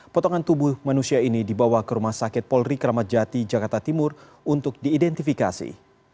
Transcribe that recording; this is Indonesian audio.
potongan tubuh manusia ini dibawa ke rumah sakit polri kramat jati jakarta timur untuk diidentifikasi